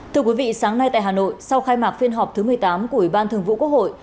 thưa quý vị sáng nay tại hà nội sau khai mạc phiên họp thứ một mươi tám của ủy ban thường vụ quốc hội